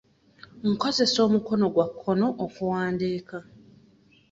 Nkozesa omukono gwa kkono okuwandiika.